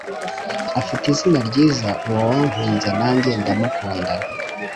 afite izina ryiza uwo wankunze nanjye ndamukunda